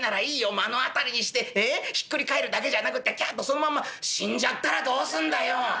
目の当たりにしてひっくり返るだけじゃなくってキャッとそのまんま死んじゃったらどうすんだよ」。